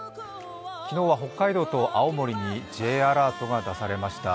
昨日は北海道と青森にＪアラートが発令されました。